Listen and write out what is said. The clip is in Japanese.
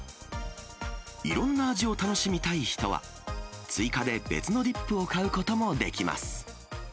いろんな味を楽しみたい人は、追加で別のディップを買うこともできます。